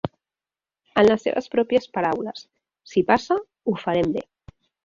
En les seves pròpies paraules: "Si passa, ho farem bé".